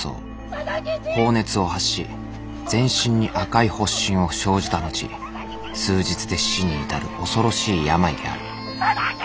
高熱を発し全身に赤い発疹を生じたのち数日で死に至る恐ろしい病である。